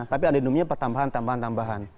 tapi adendumnya tambahan tambahan